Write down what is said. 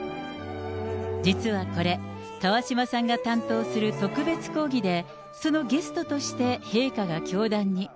実はこれ、川嶋さんが担当する特別講義で、そのゲストとして陛下が教壇に。